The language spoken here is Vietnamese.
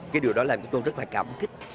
cái điều đó làm cho tôi rất là cảm kích